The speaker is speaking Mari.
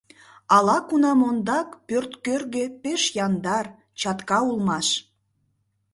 Ала-кунам ондак пӧрткӧргӧ пеш яндар, чатка улмаш.